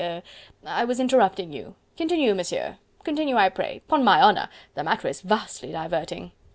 er.... I was interrupting you.... Continue, Monsieur... continue, I pray. 'Pon my honour, the matter is vastly diverting."